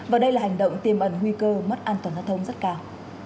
và đây là hành động tiềm ẩn nguy cơ mất an toàn giao thông rất cao